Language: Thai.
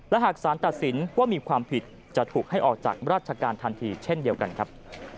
และหากสารตัดสินว่ามีความผิดจะถูกให้ออกจากราชการทันทีเช่นเดียวกันครับ